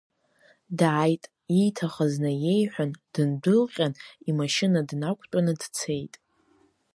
Дааит, ииҭахыз наиеиҳәан, дындәылҟьан, имашьына днақәтәаны дцеит.